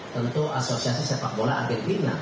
tentu asosiasi sepak bola argentina